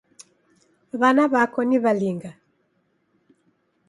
W'ana w'ako ni w'alinga?